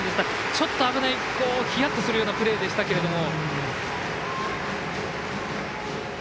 ちょっと危ないヒヤッとするようなプレーでしたけども。